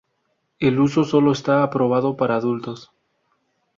El uso solo está aprobado para adultos.